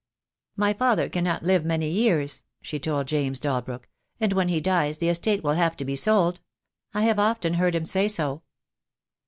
"My father cannot live many years," she told James Dalbrook, "and when he dies the estate will have to be sold. I have often heard him say so."